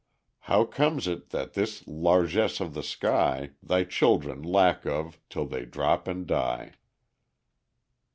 How comes it that this largess of the sky Thy children lack of, till they droop and die?